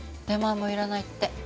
出前もいらないって。